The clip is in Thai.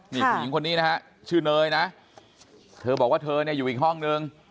นี่ผู้หญิงคนนี้นะฮะชื่อเนยนะเธอบอกว่าเธอเนี่ยอยู่อีกห้องนึง